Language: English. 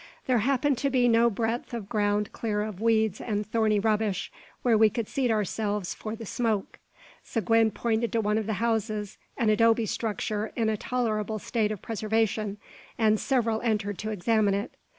There happened to be no breadth of ground clear of weeds and thorny rubbish, where we could seat ourselves lor the "smoke." Seguin pointed to one of the houses, an adobe structure in a tolerable state of preservation, and several entered to examine it.